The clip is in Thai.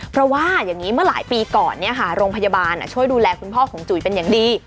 เพราะว่าอย่างนี้เมื่อหลายปีก่อนโรงพยาบาลช่วยดูแลคุณพ่อของจุ๋ยเป็นอย่างดี